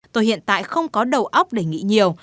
tôi hiện tại không có đầu óc để nghỉ nhiều